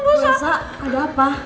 masa ada apa